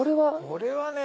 これはね